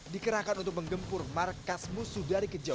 dikerahkan untuk menggempur markas musuh dari kejauhan